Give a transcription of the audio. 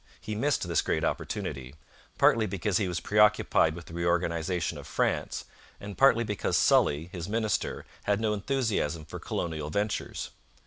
He missed this great opportunity; partly because he was preoccupied with the reorganization of France, and partly because Sully, his minister, had no enthusiasm for colonial ventures.